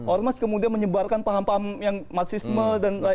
ormas kemudian menyebarkan paham paham yang marxisme dan lain lain